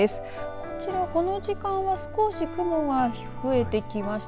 こちら、この時間は少し雲が増えてきました。